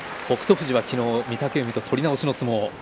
富士は昨日御嶽海と取り直しの相撲。